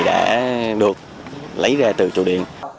đã được lấy ra từ trụ điện